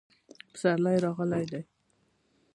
پسرلی راغلی دی